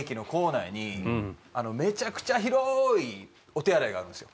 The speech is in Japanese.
めちゃくちゃ広いお手洗いがあるんですよ。